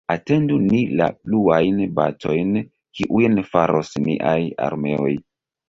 Atendu ni la pluajn batojn, kiujn faros niaj armeoj.